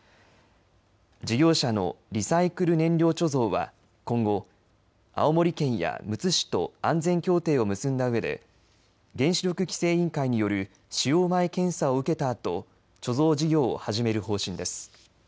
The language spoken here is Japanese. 事業者のリサイクル燃料貯蔵は今後、青森県やむつ市と安全協定を結んだうえで原子力規制委員会による使用前検査を受けたあと貯蔵事業を始める方針です。